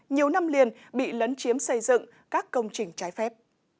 nhiều năm liền bị lấn chiếm xây dựng các công trình trái phép